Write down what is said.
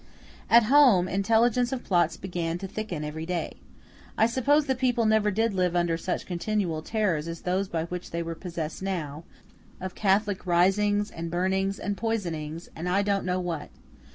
At home, intelligence of plots began to thicken every day. I suppose the people never did live under such continual terrors as those by which they were possessed now, of Catholic risings, and burnings, and poisonings, and I don't know what.